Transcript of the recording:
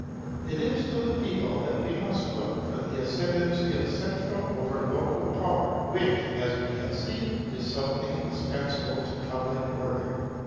It is to the people that we must look for the ascendancy of central over local power, which, as we have seen, is so indispensable to public order.